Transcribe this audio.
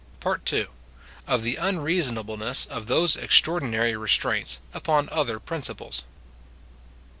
PART II.—Of the Unreasonableness of those extraordinary Restraints, upon other Principles.